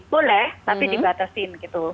boleh tapi dibatasin gitu